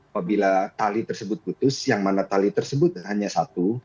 apabila tali tersebut putus yang mana tali tersebut hanya satu